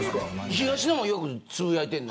東野もよくつぶやいてんの。